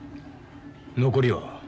残りは？